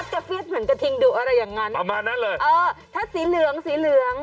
เฟียดเหมือนกระทิงดูอะไรอย่างนั้นประมาณนั้นเลยเออถ้าสีเหลืองสีเหลือง